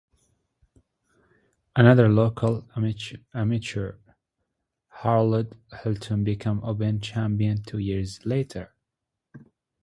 Another local amateur, Harold Hilton became Open champion two years later.